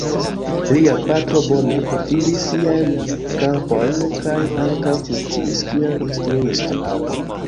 Lia patro bone kultivis siajn kampojn kaj ankaŭ funkciis kiel instruisto.